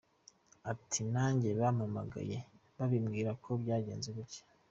Ati “Nanjye bampamagaye babimbwira ko byagenze gutyo.